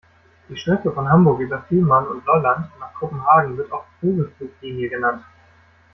Die Strecke von Hamburg über Fehmarn und Lolland nach Kopenhagen wird auch Vogelfluglinie genannt.